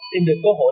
tìm được cơ hội